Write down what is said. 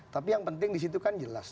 tapi yang penting di situ kan jelas